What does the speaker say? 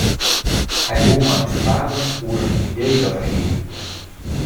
Hy woe mei ús prate oer in idee dat er hie.